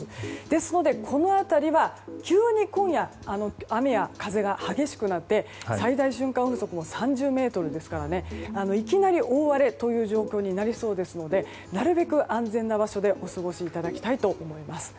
ですので、この辺りは急に今夜、雨や風が激しくなって最大瞬間風速が３０メートルですからいきなり大荒れという状況になりそうですのでなるべく安全な場所でお過ごしいただきたいと思います。